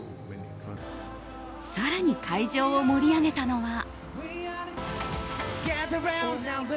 更に会場を盛り上げたのは。